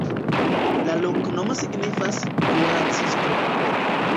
La loknomo signifas: "kuracisto".